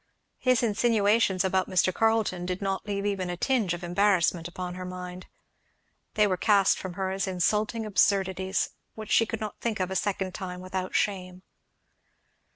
His insinuations about Mr. Carleton did not leave even a tinge of embarrassment upon her mind; they were cast from her as insulting absurdities, which she could not think of a second time without shame.